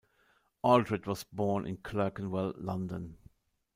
Aldred was born in Clerkenwell, London.